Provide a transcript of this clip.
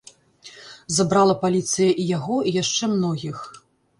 Забрала паліцыя і яго і яшчэ многіх.